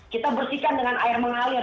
kita bersihkan dengan air mengalir